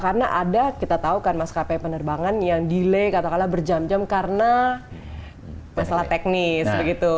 karena ada kita tahu kan mas kp penerbangan yang delay katakanlah berjam jam karena masalah teknis